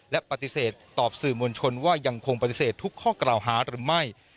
และปฏิเสธตอบสื่อมวลชนว่ายังคงปฏิเสธทุกข้อกล่าวหาหรือไม่